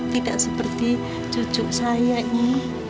tidak seperti cucu saya ini